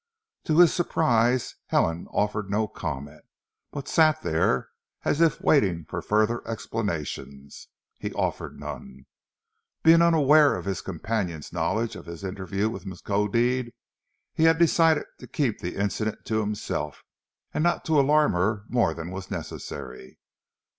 To his surprise Helen offered no comment, but sat there as if waiting for further explanations. He offered none. Being unaware of his companion's knowledge of his interview with Miskodeed he had decided to keep the incident to himself, and not to alarm her more than was necessary.